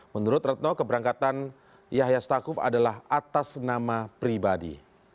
menurut retno keberangkatan yahya stakuf adalah atas nama pribadi